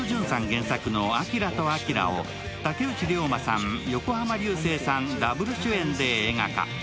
原作の「アキラとあきら」を竹内涼真さん、横浜流星さん、ダブル主演で映画化。